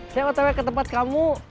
saya otwe ke tempat kamu